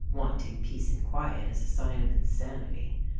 wanting peace and quiet is a sign of insan ity."